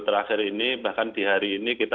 terakhir ini bahkan di hari ini kita